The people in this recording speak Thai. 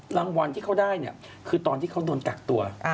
รางวัลที่เขาได้เนี่ยคือตอนที่เขาโดนกักตัว